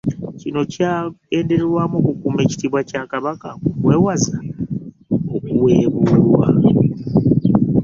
Kino kyagendererwamu okukuuma ekitiibwa Kya Kabaka okumwewaza okuweebuulwa.